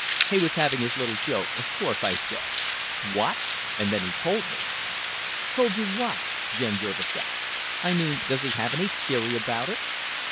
He was having his little joke, of course. I said, 'What?' and then he told me." "Told you what?" Jen Jervis asked. "I mean, does he have any theory about it?"